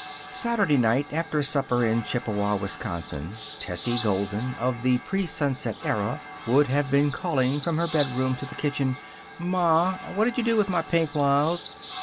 Saturday night, after supper in Chippewa, Wisconsin, Tessie Golden of the presunset era would have been calling from her bedroom to the kitchen: "Ma, what'd you do with my pink blouse?"